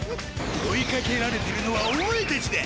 追いかけられてるのはお前たちだ。